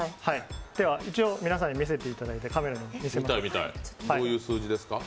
では、一応皆さんに見せていただいて、カメラも見せていただいて。